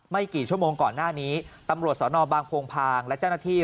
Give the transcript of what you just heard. กี่ชั่วโมงก่อนหน้านี้ตำรวจสนบางโพงพางและเจ้าหน้าที่